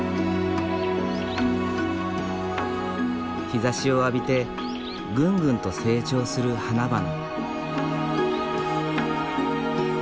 日ざしを浴びてぐんぐんと成長する花々。